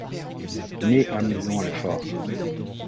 Né à Maisons-Alfort.